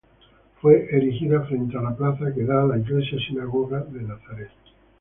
Fue erigida frente a la plaza que da a la "iglesia sinagoga" de Nazaret.